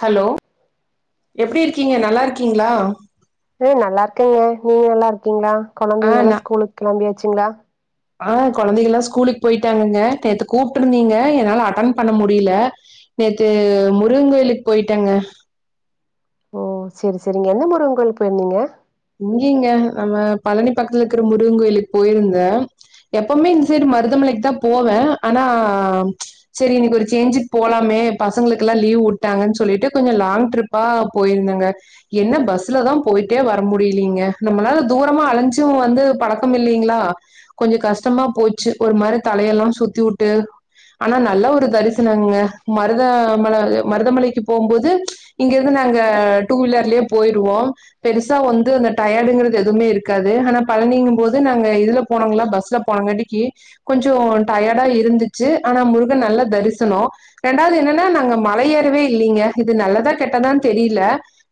Hello எப்பிடி இருக்கீங்க நல்லாருக்கீங்களா அ நல்லாருக்கேங்க நீங்க நல்லாருக்கீங்களா ஆ கொழந்தைகள்லா நா ஸ்கூலுக்கு கெளம்பியாச்சுங்களா ஆ கொழந்தைகள்லா ஸ்கூலுக்கு போயிட்டாங்கங்க நேத்து கூப்ட்டுருந்தீங்க என்னால அட்டன் பண்ண முடியில நேத்து முருகங் கோயிலுக்கு போயிட்டாங்க ஓ செரி செரிங்க எந்த முருகன் கோவிலுக்கு போயிருந்தீங்க இங்கேங்க நம்ம பழனி பக்கத்துல இருக்கற முருகன் கோயிலுக்கு போயிருந்தே எப்பவுமே இந்த சைட்டு மருதமலைக்கி தா போவே ஆனா செரி இன்னிக்கிக்கு ஒரு சேஞ்சிக்கி போலாமே பசங்களுக்கெல்லா லீவ் உட்டாங்ன் சொல்லிட்டு கொஞ்சோ லாங் ட்ரிப் பா போயிருந்தேங்க என்ன பஸ்ல தா போயிட்டே வர் வர முடியலீங்க நம்மளால தூரமா அழைஞ்சு வந்து பழக்கமில்லைங்களா கொஞ்சோ கஷ்டமா போச்சு ஒரு மாதிரி தலையெல்லா சுத்தி உட்டு ஆனா நல்ல ஒரு தரிசனங்க மருத மலை மருதமலைக்கு போம்போது இங்கிருந்து நாங்க டூ வீலர்லயே போயிருவோ பெருசா பெருசா வந்து அந்த டயர்டுங்குறது எதுவுமே இருக்காது ஆனா பழனிங்கும் போது நாங்க இதுல போனோங்ளா பஸ்ல போனங்காட்டிக்கி கொஞ்சோ டயர்டா இருந்துச்சு ஆனா முருகன் நல்லா தரிசனோ ரெண்டாவது என்னன்னா நாங்க மல ஏறவே இல்லீங்க இது நல்லதா கெட்டதான்னு தெரில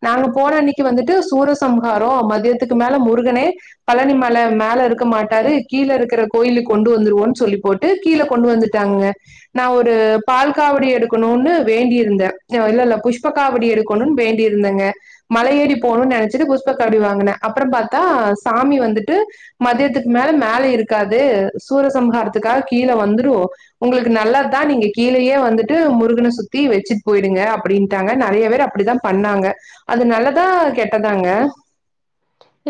நாங்க போன அன்னைக்கி வந்துட்டு சூரசம்ஹாரம் மதியத்துக்கு மேல முருகனே பழனிமல மேல இருக்க மாட்டாரு கீழே இருக்குற கோயிலு கொண்டு வந்துருவோன்னு சொல்லி போட் டு கீழே கொண்டு வந்துட்டாங்க நா ஒரு பால் காவடி எடுக்கோணுன்னு வேண்டியிருந்தே அ இல்லல்ல புஷ்ப காவடி எடுக் கணோ வேண்டிருந்தங்க மல ஏறி போணுன் நெனைச் புஷ்ப காவடி வாங்குன அப்புறோ பாத்தா சாமி வந்துட்டு மதியத்துக்கு மேல மேலே இருக்காது சூரசம்ஹாரத்துக்காக கீழே வந்துரு உங்களுக்கு நல்ல தா நீங்க கீழேயே வந்துட்டு முருகன சுத்தி வச்சிட்டு போயிடுங்க அப்டின்றாங்க நறைய பேர் அப்படிதா பண்ணாங்க அது நல்லதா கெட்டதாங்க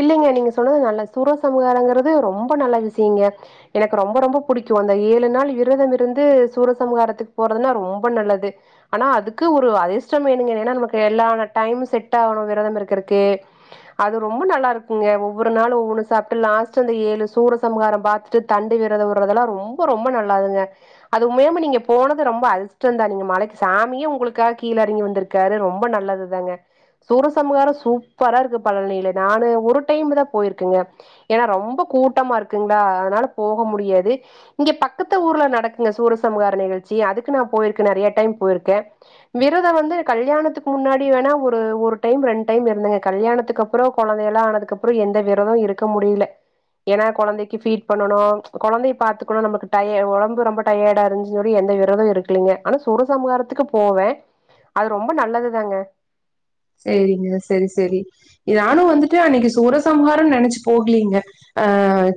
இல்லைங்க நீங்க சொன்னது நல்ல சுரசம்ஹாரங்குறது ரொம்ப நல்ல விஷயங்க எனக்கு ரொம்ப ரொம்ப புடிக்கு அந்த ஏழு நாள் விரதமிருந்து சூரசம்ஹாரத்துக்கு போறதுன்னா ரொம்ப நல்லது ஆனா அதுக்கு ஒரு அதிர்ஷ்டம் வேணுங்க ஏனா நமக்கு எல்லான டைம் செட்டாவணும் விரதமிருக்குறக்கு ரொம்ப நல்லாருக்குங்க ஒவ்வொரு நாள் ஒவ்வொன்னு சாப்ட்டு லாஸ்ட் அந்த ஏழு சூரசம்ஹாரம் பாத்து து தண்டி வீரதோ உடறதெல்லா ரொம்ப ரொம்ப நல்லாதுங்க அதுமேமுனிங்க போனது ரொம்ப அதிர்ஷ்டோ தா நீங்க மலைக்கி சாமியே உங்களுக்காக கீழேறங்கி வந்துருக் காரு ரொம்ப நல்லது தாங்க சூரசம்ஹாரம் சூப்பராருக்கு பழனியில நானு ஒரு டைம் தா போயிருக்கங்க ஏன்னா ரொம்ப கூட்டமா இருக்குங்களா அதனால போக முடியாது இங்க பக்கத்து ஊர்ல நடக்குங்க சூரசம்ஹார நிகழ்ச்சி அதுக்கு நா போயிருக்கே நெறைய டைம் போயிருக்கே விரதோ வந்து கல்யாணத்துக்கு முன்னாடி வேணா ஒரு ஒரு டைம் ரெண்டு இருந்தங்க கல்யாணத்துக்கு அப் அப்றோ கொழந்தை எல்லா ஆனதுக்கு அப்றோ எந்த விரதோ இருக்க முடியல ஏன்னா கொழந்தைக்கு பீட் பண்ணனு கொழந்தைய பாத்துக்கணு நமக்கு டய ஒடம்பு ரொம்ப டயர்டா இருந்துசுன்னு சொல்லி எந்த விரதோ இருக்குல்லீங்க ஆனா சூரசம்காரத்துக்கு போவே அது ரொம்ப நல்லது தாங்க சேரிங்க சேரி சேரி நானு வந்துட்டு அன்னிக்கி சூரசம்ஹாரம் நெனைச்சு போகலீங்க ஆ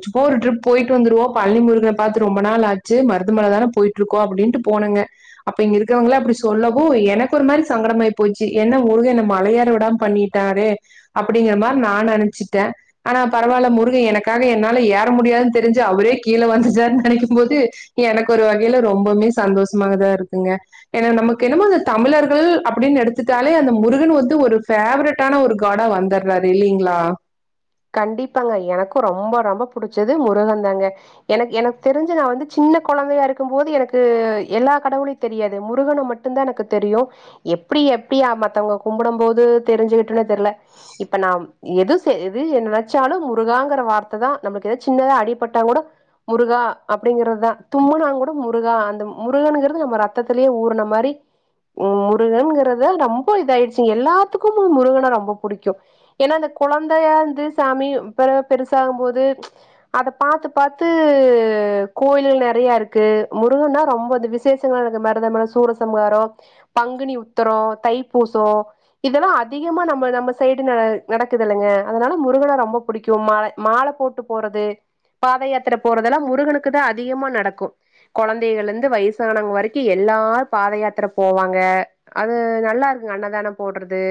சும்மா ஒரு டிரிப் போயிட்டு வந்துருவோ பழனி முருகன பாத்து ரொம்ப நாள் ஆச்சு மருந்துமல தானே போயி இருக்கு அப்டின்ட்டு போனங்க அப்ப இங்க இருக்கவங்கள அப்டி சொல்லவு எனக்கு ஒரு மாரி சங்கடமாயி போச்சு என்ன முருகன் என்ன மல ஏற விடாம பண்ணிட்டாரே அப்டிங்கிற மாரி நா நெனச்சிட்டே ஆனா பராவில்ல முருக எனக்காக என்னால ஏற முடியாதுன்னு தெரிஞ்சு அவரே கீழ வந்துட்டாருன்னு நெனைக்கும் போது எனக்கு ஒரு வகையில ரொம்பவுமே சந்தோஷமாக தா இருக்குங்க ஏன்னா நமக்கு என்னமோ அந்த தமிழர்கள் அப்டின்னு எடுத்துட்டாலே அந்த முருக முருகன் வந்து ஒரு பேவரட்டான ஒரு கா்டா வந்துடுறாரு இல்லிங்களா கண்டிப்பாங்க எனக்கு ரொம்ப ரொம்ப புடிச்சது முருகன்தாங்க எனக்கு எனக்கு தெரிஞ்சு நா வந்து சின்ன கொழந்தையா இருக்கம் போது எனக்கு எல்லா கடவுள் தெரியாது முருகன மட்டு தா எனக்கு தெரியு எப்டி எப்டியா மத்தவங்க கும்பிடும் போது தெரிஞ்சு கிட்டனே தெரில இப்ப நா எது செய் து நெனைச்சாலு முருகாங்கிற வார்த்ததா நம்ளுக்கு எதா சின்னதா அடிப்பட்டாங் கூட முருகா அப்டிங்கறதுதா தும்பனா கூட முருகா அந்த முருகனுங்கிறது நம்ம ரத்தத்திலே ஊறுன மாரி ம் முருகன்ங்கறத ரொம்ப இதாயிடுச்சு எல்லாத்துக்கு முருகன ரொம்ப புடிக்கு ஏன்னா அந்த குழந்தையா வந்து சாமி பெருசாகும்போது அத பாத்து பாத்து கோயில்கள் நெறையா இருக்கு முருகன்னா ரொம்ப அது விச விசேஷங்கள் இருக்கு மாரிதா சூரசம்காரோ பங்குனி உத்தரோ தைப்பூசோ இதெல்லா அதிகமா நம்ம நம்ம சைடு நட நடக்குது இல்லங்க அதனால முருகன ரொம்ப புடிக்கு மால மாலபோட்டு போறது பாத யாத்ர போறதெல்லா முருகனுக்கு தா அதிகமா நடக்கு கொழந்தைகள் இருந்து வயசானானவங்க வரைக்கு எல்லா பாதயாத்திர போவாங்க அது நல்லா இருக்கு அன்னதான போட்றது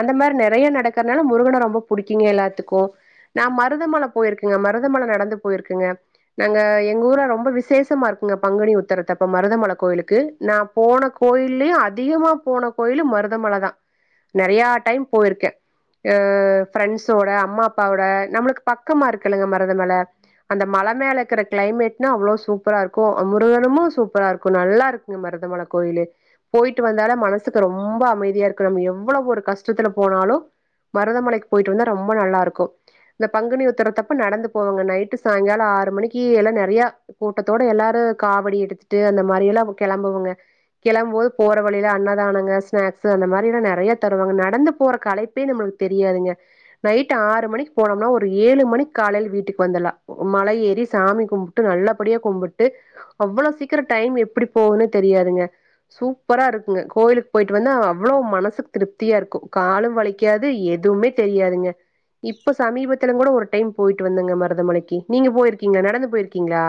அந்த மாரி நெறையா நடக்றனால முருகன ரொம்ப புடிக்கிங்க எல்லாத்துக்கு நா மருதமல போயிருக்கங்க மருதமல நடந்து போயிருக்கங்க நாங்க எங்க ஊர்ல ரொம்ப விசேஷமா இருக்குங்க பங்குனி உத்தரத்தப்ப மருதமல கோயிலுக்கு நா போன கோயில்யே அதிகமா போன கோயிலு மருதமல தா நெறையா டைம் போயிருக்கே ஆ ஃப்ரெண்ட்ஸோட அம்மா அப்பாவோட நம்மளுக்கு பக்கமா இருக்கல்லுங்க மருதமல அந்த மல மேல இருக்ற கிளைமேட்னா அவ்ளோ சூப்பரா இருக்கு முருகனமு சூப்பரா இருக்கு நல்லா இருக் குங்க மருதமல கோயிலு போயிட்டு வந்தாலே மனசுக்கு ரொம்ப அமைதியா இருக்கு நம்ம எவ்ளோஒரு கஷ்டத்துல போனாலு மருதமலைக்கு போயிட்டு வந்தா ரொம்ப நல்லா இருக்கு இந்த பங்குனி உத்தரதப்ப நடந்து போவங்க நைட்டு சாயங்கால ஆறு மணிக்கு எல்லா நெறையா கூட்டத்தோட எல்லாரு காவடி எடுத்துட்டு அந்த மாரியெல்லா கெளம்புவங்க கெளம்போது போற வழில அன்னதானங்க ஸ்நாக்ஸ் அந்த மாரில்லா நெறைய தருவாங்க நடந்து போற களைப் அப்பையு நம்ளுக்கு தெரியாதுங்க நைட் ஆறு மணிக் போனம்னா ஒரு ஏழு மணிக் காலையில வீட்டுக் வந்தலா மலை ஏறி சாமி கும்புட்டு நல்லபடியா கும்புட்டு அவ்ளோ சீக்ரோ டைம் எப்டி போவுனே தெரியாதுங்க சூப்பரா இருக்குங்க கோயிலுக் போயிட்டு வந்து அவ்ளோ மனசுக் திருப்தியா இருக்கு காலும் வளிக்காது எதுவுமே தெரியாதுங்க இப்ப சமீபத்தைலு கூட ஒரு டைம் போயிட்டு வந்தங்க மருதமலைக்கி நீங்க போயிருக்கீங்க நடந்து போயிருக்கீங்ளா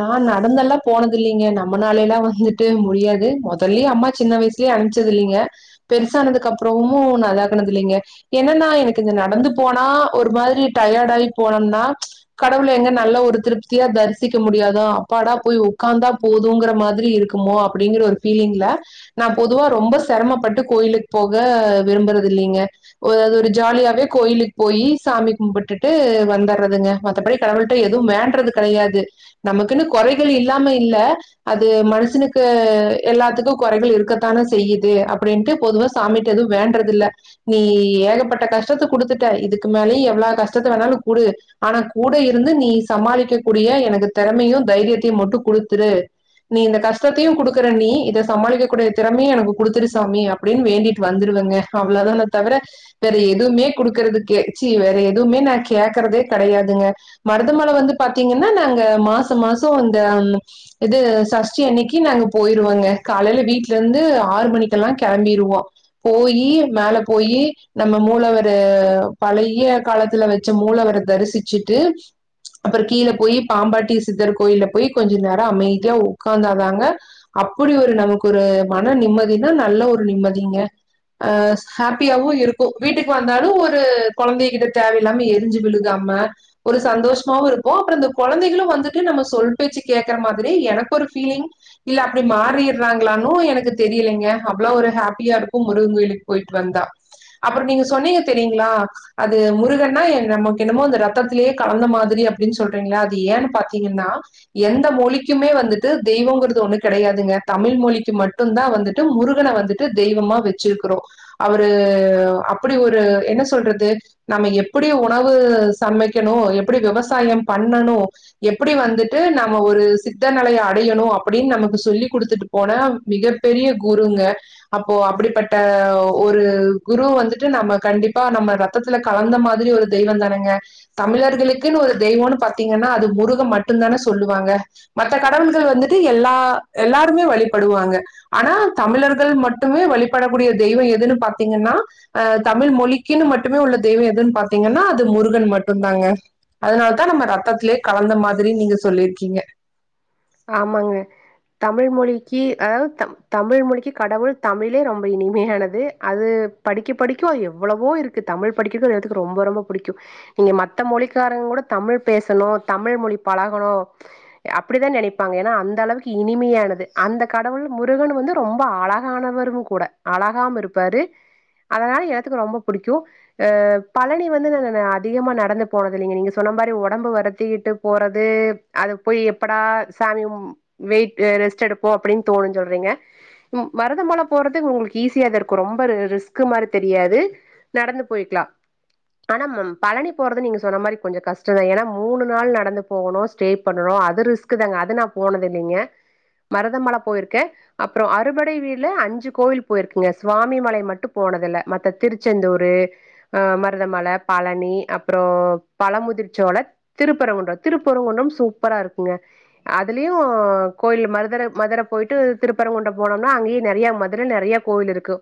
நான் நடந்தெல்லா போனதில்லீங்க நம்மனாலேலா வந்துட்டு முடியாது முதல்லயே அம்மா சின்ன வயஸ் திஅம்ச்சது இல்லீங்க பெருசானதுக் அப்புறமு நாகனது இல்லீங்க என்னன்னா எனக் இது நடந்து போனா ஒரு மாரி டயட் ஆகி போனம்னா கடவுள் எங்க நல்ல ஒரு திருப்தியா தரிஸ் திக்க முடியாதா அப்பாடா போய் உட்காந்தா போதுங்கற மாதிரி இருக்குமோ அப்டிங்கிற ஒரு ஃபீலிங்ல நா பொதுவா ரொம்ப செரமபட்டு கோயிலுக் போக விரும்பறது இல்லீங்க ஒருஅது ஒரு ஜாலியாவே கோயிலுக் போயி சாமி கும்புட்டுட்டு வந்தர்றதுங்க மத்தபடி கடவுள்ட்ட எதுவு வேன்றது கடையாது நமக்குன் கொறைகள் இல்லாம இல்ல அது மனசனுக்கு எல்லாத்துக்கு கொறைகள் இருக்கத்தானே செய்யுது அப்டின்ட்டு பொதுவ சாமிட்ட எதுவு வேண்றது இல்ல நீ ஏகப்பட்ட கஷ்டத்த குடுத்துட்ட இதுக்கு மேலயு எவ்ளா கஷ்டத்த வேணாலு குடு ஆனா கூட இருந்து சமாளிக்க கூடிய எனக்கு திறமையு தைரியத்தையு மட்டு குடுத்துரு நீ இந்த கஷ்டத்தையும் குடுக்குற நீ இதை சமாளிக்க கூடிய திறமையையும் எனக்கு குடுரு சாமி அப்டின் வேண்டிட் வந்துருவங்க அவ்ளதான தவர வேற எதுவுமே குடுக்குறது கே சி வேற எதுவுமே நா கேக்கறதே கடையாதுங்க மருதமல வந்து பாத்தீங்கன்னா நாங்க மாசம் மாசம் அந்த இது சஷ்டி அன்னக்கி நாங்க போயிருவோங்க காலையில வீட்ல இருந்து ஆறு மணிக்கெல்லா கெளம்பிருவோ போயி மேல போயி நம்ம மூலவரு பழைய காலத்துல வச் ச்ச மூளவர தரிசிச்சிட்டு அப்புற கீழ போயி பாம்பாட்டி சித்தர் கோயில்ல போயி கொஞ்ச நேரோ அமைதியா உக்காந்தாதாங்க அப்டி ஒரு நமக் ஒரு மன நிம்மதினா நல்ல ஒரு நிம்மதிங்க அ ஹாப்பியாவு இருக்கு வீட்டுக்கு வந்தாலு ஒரு கொழந்தை கிட்ட தேவ எல்லாமே எரிஞ்சி விழுகாம ஒரு சந்தோஷமாவு இருப்போ அப்புற கொழந்தைகளு வந்துட்டு நம்ம சொல் பேச்சி கேக்கற மாதிரி எனக் ஒரு ஃபீலிங் இல்ல அப்டி மாறிறாங்ளானு எனக்கு தெரியிலங்க அவ்ளோ ஒரு ஹாப்பியா இருக்கு முருக கோயிலுக்கு போயிட் வந்தா அப்ரோ நீங்க சொன்னீங்க தெரிங்ளா அது முருகன்னா நமக்கு என்னமோ அந்த ரத்திலேயே கலந்த மாதிரி அப்டின் சொல் றீன்களா அது ஏனு பாத்தீங்கன்னா எந்த மொழிக்குமே வந்துட்டு தெய்வங்கறது ஒண்ணு கடையாதுங்க தமிழ் மொழிக்கி மட்டுதா வந்துட்டு ட்டு முருகன வந்துட்டு தெய்வமா வச்சிருக்குறோ அவரு அப்டி ஒரு என்ன சொல்றது நம்ம எப்டி உணவு சமைக்கணு எப்டி விவசாயம் பண்ணணு எப்டி வந்துட்டு நம்ம ஒரு சித்தநிலைய அடையணு அப்டின் நமக்கு சொல்லி குடுத்துட்டு போனா மிக பெரிய குருங்க அப்போ அப்டிப்பட்ட ஒரு குரு வந்துட்டு நம்ம கண்டிப்பா நம்ம ரத் ரத்ததுல கலந்த மாதிரி ஒரு தெய்வ தானங்க தமிழர்களுக்குன் ஒரு தெய்வோ பாத்தீங்கன்னா அது முருக மட்டுதான சொல்லுவாங்க மத்த கடவுள்கள் வந்துட்டு எல்லா எல்லாருமே வழிபடுவாங்க ஆனா தமிழர்கள் மட்டுமே வழிபடக்கூடிய தெய்வ எதுனு பார்த்தீங்கன்னா அ தமிழ் மொழிக்குன்னு மட்டுமே உள்ள தெய்வ எதுன்னு பாத்தீங்கனா அது முருகன் மட்டுந் தாங்க அதனால தா நம்ப ரத்தத்திலே கலந்த மாரி நீங்க சொல்லியிருக்கீங்க ஆமாங்க தமிழ் மொழிக்கு அ த தமிழ் மொழிக்கு கடவுள் தமிழே ரொம்ப இனிமையானது அது படிக்க படிக்கோ எவ்ளவோ இருக் கு தமிழ் படிக்கிறது எனக் ரொம்ப ரொம்ப புடிக்கு இங்க மத்தமொழிக்காரங்க கூட தமிழ் பேசணு தமிழ் மொழி பழகணு அப்டிதா நெனைப் இருப்பாங்க ஏனா அந்த அளவுக் இனிமையானது அந்த கடவுள் முருகனு வந்து ரொம்ப அழகானவருங் கூட அழகாமு இருப்பாரு அதனால எனக் ரொம்ப புடிக்கு அ பழனி வந்து ந ந ந அதிகமா நடந்து போனது இல்லீங்க நீங்க சொன்ன மாரி ஒடம்பு வருத்தீட்டு போறது அது போயி எப்படா [unintelligible] வெயிட் ரெஸ்ட் எடுப்போ அப்டின்னு தோணுன் சொல்றீங்க மருத மலை போறதுக் உங்ளுக்கு ஈஸியா தா இருக்கு ரொம்ப ரிஸ்கு மாரி தெரியாது நடந்து போய்க்கலா ஆனா பழனி போறது நீங்க சொன்ன மாரி கொஞ்ச கஷ்டந் தா ஏனா மூணு நாள் நடந்து போகணு ஸ்டே பண்ணணு அது ரிஸ்க் தாங்க அது நா போனது இல்லங்க மருதமலை போயிருக்கே அப்றோ அறுபடை வீடுல அஞ்சு கோவில் போயிருக்குங்க சுவாமி மலை மட்டு போனதுல மத்த திருச்செந்தூரு அ மருதமல பழனி அப்றோ பழமுதிர்ச்சோல திருப்பரங்குன்ற திருப்பரங்குன்றம் சூப்பரா இருக்குங்க அதுலயு கோயில் மதுர மதுர போயிட்டு திருப்பரங்குன்ற போனோனா அங்கேயே நெறைய மதுர நெறைய கோவிலிருக்கு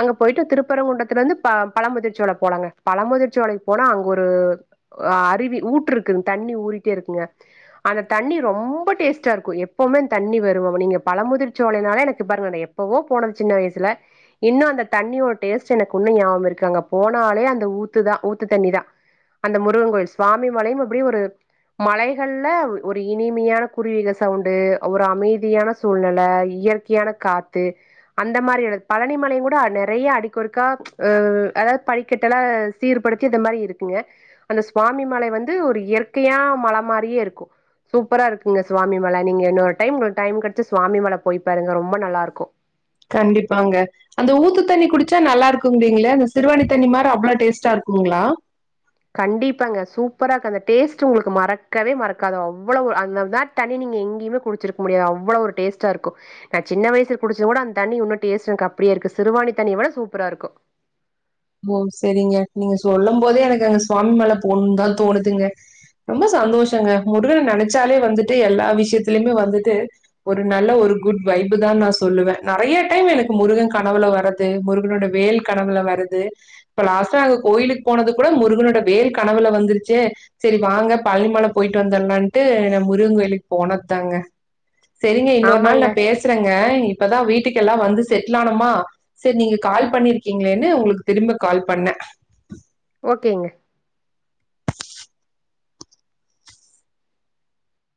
அங்க போயிட்டு திருப்பரங்குன்றதுல இருந்து ப பழமுதிர்ச்சோல போலாங்க பழமுதிர்ச்சோலக்கு போனா அங்க ஒரு அ அருவி ஊற்று இருக்குங் தண்ணி ஊறிட்டே இருக்குங்க அந்த தண்ணி ரொம் ப டேஸ்டா இருக்கு எப்போமே தண்ணி வரு அவ நீங்க பழ முதிர்ச்சோலைனாலே எனக் பாருங்க எப்வோ போனது சின்ன வயசுல இன்னு அந்த தண்ணியோட டேஸ்ட் எனக்கு இன்னு ஞாபக இருக்கு அங்க போனாலே அந்த ஊத்துதா ஊத்து தண்ணி தா அந்த முருகன் கோயில் சுவாமி மலையு அப்டி ஒரு மலைகல்ல ஒரு இனிமையா குருவிக சவுண்டு ஒரு அமைதியான சூழ்நில இயற்கையான காத்து அந்த மாரி பழனி மலையுங் கூட நெறைய அடிக்கொறுக்கா அ அதாவது படிக்கட்டெல்லா சீர்படுத்தி இந்த மாரி இருக்குங்க அந்த சுவாமி மலை வந்து ஒரு இயற்கையா மல மாரியேருக்கு சூப்பரா இருக்குங்க சுவாமி மலே நீங்கே இன்னொரு டைம் டைம் கெடைச்சா சுவாமி மல போயி பாருங்கே ரொம்பே நல்லாருக்கு கண்டிப்பாங்கே அந்த ஊத்து தண்ணி குடிச்சா நல்லா இருக்குங்கிறீங்ளே அந்த சிறுவாணி தண்ணி மாரி அவ்ளோ டேஸ்ட்டா இருக்குங்ளா கண்டிப்பாங்கே சூப்பராருக்கு அந்த டேஸ்ட் உங்ளுக்கு மறக்கவே மறக்காது அவ்வளோவ் அந் தேட் தண்ணி நீங்கே எங்கிய்யுமே குடிச்சிருக்க முடியாது அவ்வளவ் ஒரு டேஸ்டாருக்கு நா சின்ன வயசில் குடிச்சது கூட அந்த தண்ணி உன்னு டேஸ்ட் எனக் அப்பிடியே இருக்கு சிறுவாணி தண்ணி வுட சூப்பராருக்கு ஓ சரிங்கே நீங்கே சொல்லு போதே எனக் அங்கே சுவாமி மல போணுன் தா தோணுதுங்கே ரொம்ப சந்தோஷங்கே முருகன் நெனைச்சாலே வந்துட்டு எல்லா விஷியத்திலயுமே வந்துட்டு ஒரு நல்ல ஒரு குட் வைபு தா நா சொல்லுவே நெறைய டைம் எனக்கு முருகன் கனவுலே வரது து முருகனோட வேல் கனவுலே வரது இப்ப லாஸ்டா அங்கே கோயிலுக்கு போனதுக் கூட முருகனோட வேல் கனவுலே வந்துருச்சே செரி வாங்கே பழனிமலை போயிட்டு வந்தர்லான்ட்டு நா முருகன் கோவிலுக் போனத்தாங்க செரிங்க இன்னொரு நாள் ஆமாங்க. நா பேச றங்க இப்பதா வீட்டுக்கெல்லா வந்து செட்டில் ஆனமா செரி நீங்கே கால் பண்ணிருக்கீங்ளேன்னு உங்ளுக் திரும்ப கால் பண்ணே ஓகேங்க